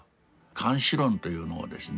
「諫死論」というのをですね